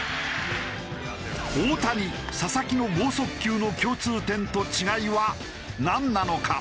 大谷佐々木の剛速球の共通点と違いはなんなのか？